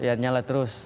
iya nyala terus